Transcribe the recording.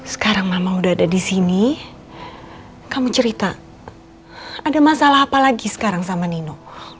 sekarang mama udah ada di sini kamu cerita ada masalah apa lagi sekarang sama nino